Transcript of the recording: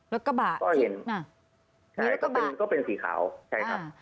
รถกระบะก็เห็นอันนี้ก็เป็นก็เป็นสีขาวใช่ครับ